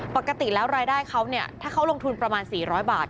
ปกติแล้วรายได้เขาเนี่ยถ้าเขาลงทุนประมาณ๔๐๐บาท